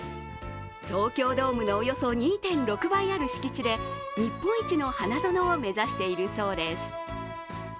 東京ドームのおよそ２．６倍ある敷地で、日本一の花園を目指しているそうです。